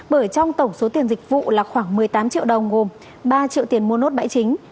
bởi trong tổng số tiền dịch vụ là khoảng một mươi tám triệu đồng gồm ba triệu tiền mua nốt bãi chính